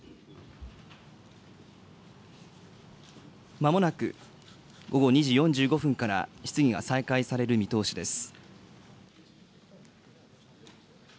まもなく、午後２時４５分から質疑が再開される見通しです。